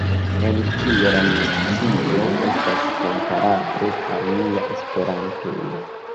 En tio la nocio estas komparebla al nia Esperantujo.